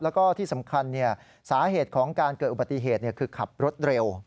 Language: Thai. แล้วก็ที่สำคัญสาเหตุของการเกิดอุบัติเหตุคือขับรถเร็ว